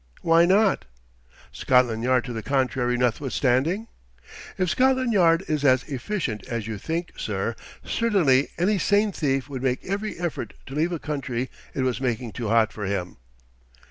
"Why not?" "Scotland Yard to the contrary notwithstanding?" "If Scotland Yard is as efficient as you think, sir, certainly any sane thief would make every effort to leave a country it was making too hot for him."